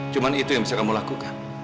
cuma itu yang bisa kamu lakukan